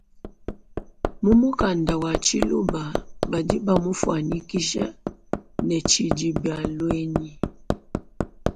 Mu mukanda wa tshiluba badi bamufuanyikishe ne tshidibialuenyi.